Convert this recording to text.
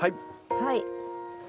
はい。